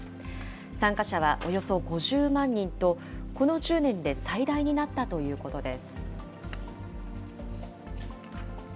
参加者はおよそ５０万人と、この１０年で最大になったということです。